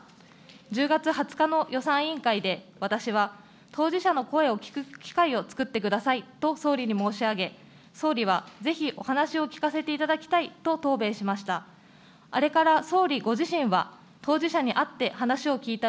１０月２０日の予算委員会で、私は当事者の声を聞く機会をつくってくださいと総理に申し上げ、総理はぜひお話を聞かせていただきたいと答弁しました。